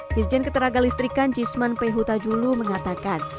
dirjen keteraga listrikan cisman pehuta julu mengatakan